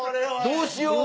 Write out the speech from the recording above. どうしよう？